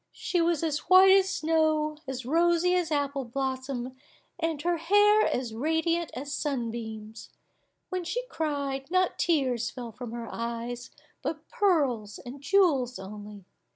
She was as white as snow, as rosy as apple blossom, and her hair as radiant as sun beams. When she cried, not tears fell from her eyes, but pearls and jewels only.